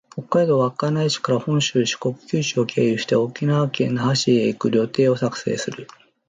北海道稚内市から本州、四国、九州を経由して、沖縄県那覇市へ行く旅程を作成する